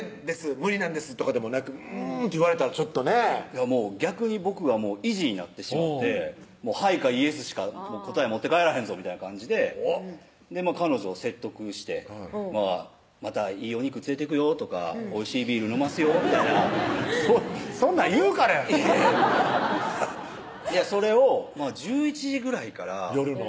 「無理なんです」とかでもなく「うん」って言われたらちょっとね逆に僕が意地になってしまって「はい」か「イエス」しか答え持って帰らへんぞみたいな感じで彼女を説得して「またいいお肉連れていくよ」とか「おいしいビール飲ますよ」みたいなそんなん言うからやそれを１１時ぐらいから夜の？